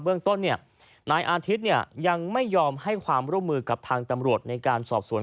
เรื่องต้นนายอาทิตย์ยังไม่ยอมให้ความร่วมมือกับทางตำรวจในการสอบสวน